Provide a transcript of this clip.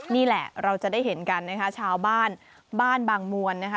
นี่แหละเราจะได้เห็นกันนะคะชาวบ้านบ้านบางมวลนะคะ